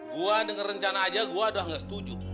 gue denger rencana aja gue udah gak setuju